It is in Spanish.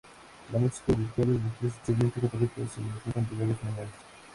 La música en rituales religiosos, especialmente católicos, se manifiesta de varias maneras.